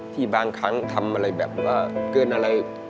บางครั้งทำอะไรแบบว่าเกินอะไร